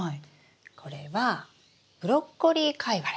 これはブロッコリーカイワレ。